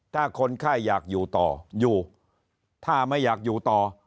ถ้าคนไข้อยากอยู่ต่ออยู่ถ้าไม่อยากอยู่ต่อ